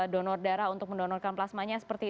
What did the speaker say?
donor darah untuk mendonorkan plasmanya seperti